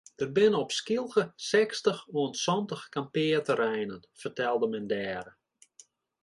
Der binne op Skylge sechstich oant santich kampearterreinen fertelde men dêre.